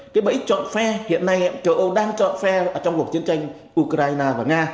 cái bẫy chọn phe hiện nay châu âu đang chọn phe trong cuộc chiến tranh ukraine và nga